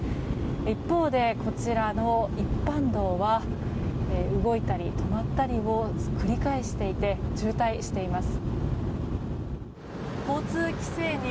一方で、こちらの一般道は動いたり止まったりを繰り返していて渋滞しています。